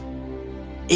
ada menara di gunung emas